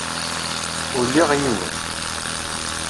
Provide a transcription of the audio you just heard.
Ulyeɣ yiwen.